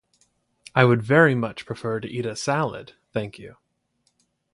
I would very much prefer to eat a salad, thank you.